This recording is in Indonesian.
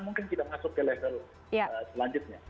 mungkin tidak masuk ke level selanjutnya